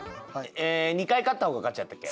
２回勝った方が勝ちやったっけ？